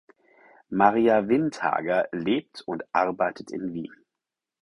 Maria Windhager lebt und arbeitet in Wien.